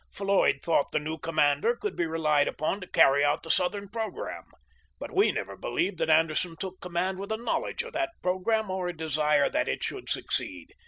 Floyd thought the new commander could be relied upon to carry out the Southern programme, but we never believed that Anderson took com mand with a knowledge of that programme or a desire that it should succeed.